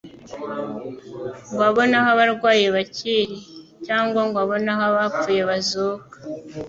ngo abone aho abarwayi bakil cyangwa ngo abone aho abapfuye bazuka.